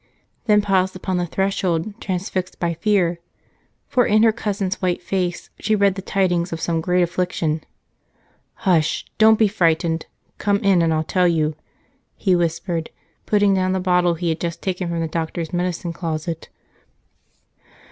then paused upon the threshold, transfixed by fear, for in her cousin's white face she read the tidings of some great affliction. "Hush! Don't be frightened. Come in and I'll tell you," he whispered, putting down the bottle he had just taken from the doctor's medicine closet.